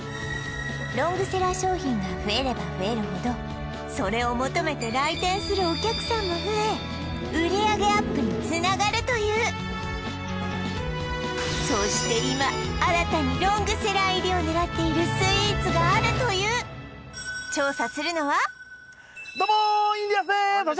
ロングセラー商品が増えれば増えるほどそれを求めて来店するお客さんも増え売上アップにつながるというそして今新たにロングセラー入りを狙っているスイーツがあるというどうもインディアンスです